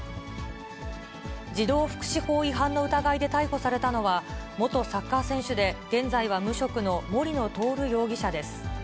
児童福祉法違反の疑いで逮捕されたのは、元サッカー選手で、現在は無職の森野徹容疑者です。